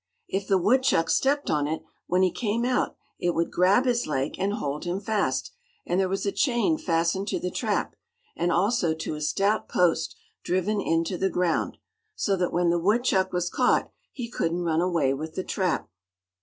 If the woodchuck stepped on it, when he came out, it would grab his leg and hold him fast; and there was a chain fastened to the trap, and also to a stout post driven into the ground, so that when the woodchuck was caught he couldn't run away with the trap.